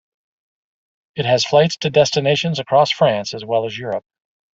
It has flights to destinations across France as well as Europe.